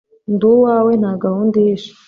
ndi uwawe, nta gahunda ihishe